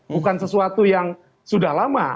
bukan sesuatu yang sudah lama